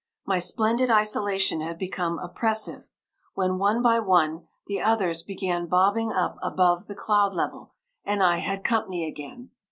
My splendid isolation had become oppressive, when, one by one, the others began bobbing up above the cloud level, and I had company again.